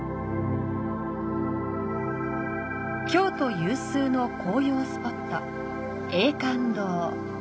京都有数の紅葉スポット、永観堂。